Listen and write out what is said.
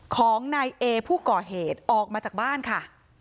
ของนายเอผู้ก่อเหตุออกมาจากบ้านค่ะ